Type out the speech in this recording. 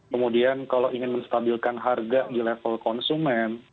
kemudian kalau ingin menstabilkan harga di level konsumen